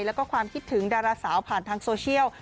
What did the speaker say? แล้วก็ความคิดถึงดาราสาวผ่านทางโซเชียล